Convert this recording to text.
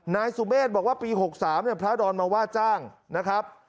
นายสุเมฆบอกว่าปี๖๓พระดอนมาว่าจ้างนะครับ